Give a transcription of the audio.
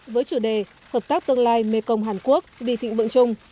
với chủ đề hợp tác tương lai mekong hàn quốc vì thịnh vượng chung